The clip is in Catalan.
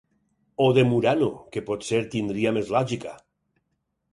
O de Murano, que potser tindria més lògica.